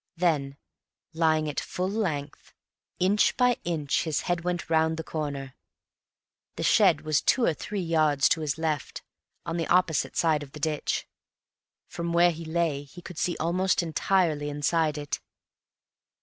Then, lying at full length, inch by inch his head went round the corner. The shed was two or three yards to his left, on the opposite side of the ditch. From where he lay he could see almost entirely inside it.